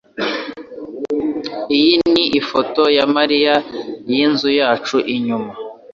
Iyi ni ifoto ya Mariya n'inzu yacu inyuma